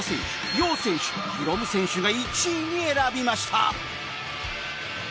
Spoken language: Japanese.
ＹＯＨ 選手ヒロム選手が１位に選びました